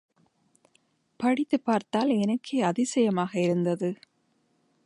படித்துப் பார்த்தால் எனக்கே அதிசயமாக இருந்தது.